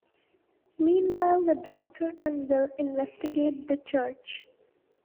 Meanwhile, the Doctor and Will investigate the church.